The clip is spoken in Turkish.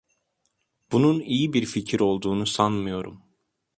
Bunun iyi bir fikir olduğunu sanmıyorum.